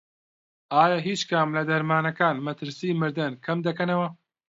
ئایا هیچ کام لە دەرمانەکان مەترسی مردن کەمدەکەنەوە؟